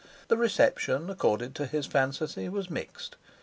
The reception accorded to his fantasy was mixed.